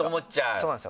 そうなんですよ。